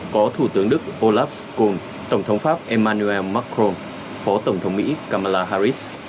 có thủ tướng đức olaf cùng tổng thống pháp emmanuel macron phó tổng thống mỹ kamala harris